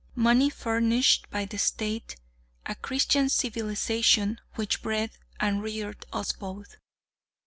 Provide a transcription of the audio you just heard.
Money furnished by the State a Christian civilization which bred and reared us both.